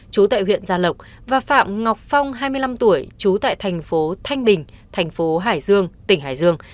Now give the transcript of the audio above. chú tại huyện gia lộc và phạm ngọc phong hai mươi năm tuổi trú tại thành phố thanh bình thành phố hải dương tỉnh hải dương